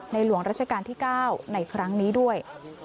หลวงราชการที่๙ในครั้งนี้ด้วย